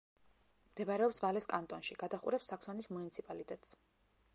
მდებარეობს ვალეს კანტონში; გადაჰყურებს საქსონის მუნიციპალიტეტს.